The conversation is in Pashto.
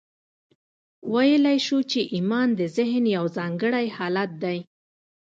ویلای شو چې ایمان د ذهن یو ځانګړی حالت دی